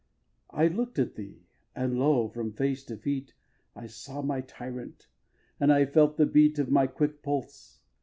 v. I look'd at thee, and lo! from face to feet, I saw my tyrant, and I felt the beat Of my quick pulse.